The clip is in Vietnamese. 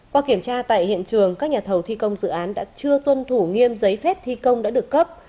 qua kiểm tra tại hiện trường các nhà thầu thi công dự án đã chưa tuân thủ nghiêm giấy phép thi công đã được cấp